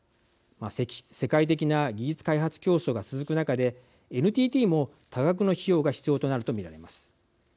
世界的な技術開発競争が続く中でＮＴＴも、多額の費用が必要となると見られます。